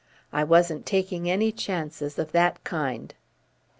I wasn't taking any chances of that kind."